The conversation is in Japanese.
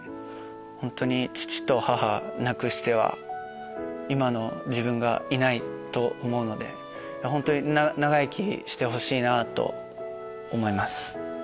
本当に父と母なくしては今の自分がいないと思うので本当に長生きしてほしいなと思います。